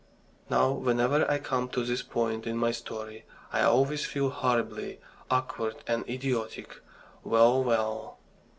Now, whenever I come to this point in my story, I always feel horribly awkward and idiotic. Well, well!